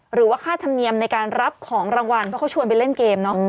หรือว่าค่าธรรมเนียมในการรับของรางวัลเพราะเขาชวนไปเล่นเกมเนอะ